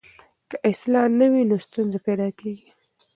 که اصلاح نه وي نو ستونزه پیدا کېږي.